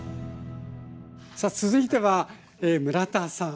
さあ続いては村田さん